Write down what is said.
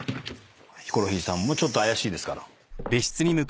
ヒコロヒーさんもちょっと怪しいですから。